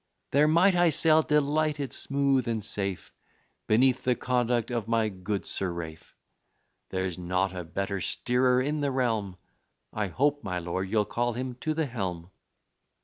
There might I sail delighted, smooth and safe, Beneath the conduct of my good Sir Ralph: There's not a better steerer in the realm; I hope, my lord, you'll call him to the helm."